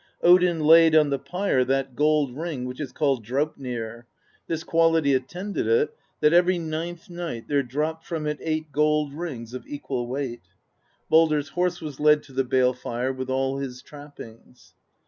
Odin laid on the pyre that gold ring which is called Draupnir; this quality attended it, that every ninth night there dropped from it eight gold rings of equal weight. Baldr's horse was led to the bale fire with all his trappings.